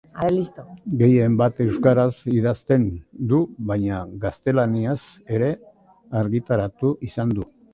Gehienbat euskaraz idazten du, baina gaztelaniaz ere argitaratu izan du.